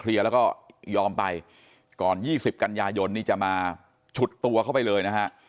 เคลียร์แล้วก็ยอมไปก่อน๒๐กัลยายนต์นี่จะมาชุดตัวเข้าไปเลย